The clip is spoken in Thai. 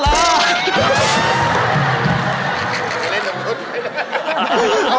โบนัสแท็กฮะ